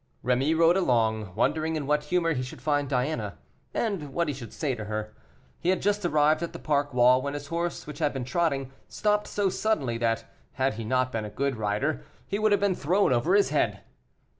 Rémy rode along, wondering in what humor he should find Diana, and what he should say to her. He had just arrived at the park wall, when his horse, which had been trotting, stopped so suddenly that, had he not been a good rider, he would have been thrown over his head.